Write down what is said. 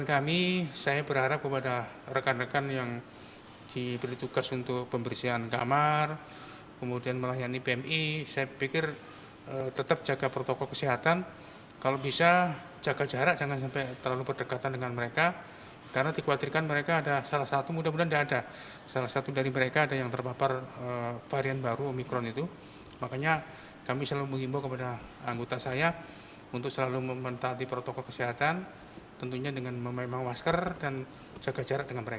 asrama haji surabaya jawa timur